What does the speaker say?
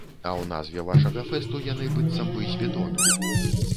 А ў назве вашага фэсту яны, быццам бы з бетону.